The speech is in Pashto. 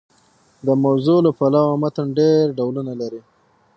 د موضوع له پلوه متن ډېر ډولونه لري.